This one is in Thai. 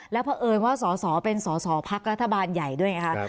และพระเอิญว่าสวเป็นสพรัฐบาลใหญ่ด้วยครับ